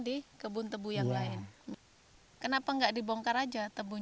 jika tidak petani terpaksa diberi kekuatan